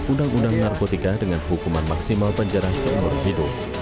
undang undang narkotika dengan hukuman maksimal penjara seumur hidup